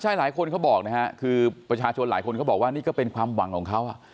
ใช่หลายคนเขาบอกนะฮะคือประชาชนหลายคนเขาบอกว่านี่ก็เป็นความหวังของเขา